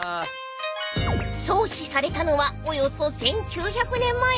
［創始されたのはおよそ１，９００年前］